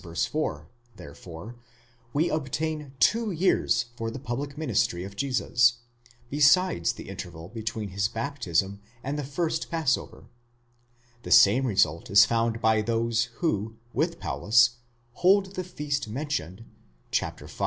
4, therefore, we obtain two years for the public ministry of Jesus, besides the interval between his baptism and the first Passover, The same result is found by those who, with Paulus, hold the feast mentioned, v.